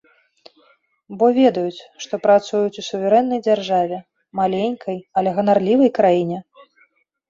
Бо ведаюць, што працуюць у суверэннай дзяржаве, маленькай але ганарлівай краіне!